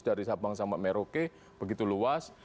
dari sabang sampai merauke begitu luas